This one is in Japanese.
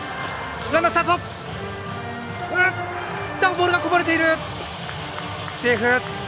ボールがこぼれてセーフ。